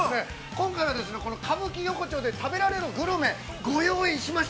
今回はですね、この歌舞伎横丁で食べられるグルメ。ご用意しました。